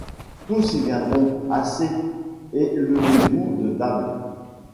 Tous y viendrontAssez ! et levez-vous de table.